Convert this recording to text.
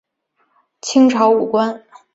清朝武官。